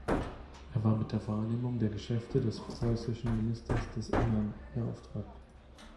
Er war mit der Wahrnehmung der Geschäfte des "Preußischen Ministers des Innern" beauftragt.